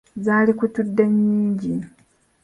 Zaalikutudde nnyingi.